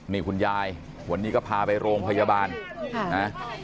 นี่คุณยายวันนี้ก็พาไปโรงพยาบาลนะ